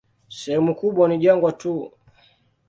Sehemu kubwa ni jangwa tu.